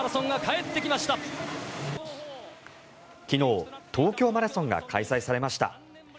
昨日東京マラソンが開催されました。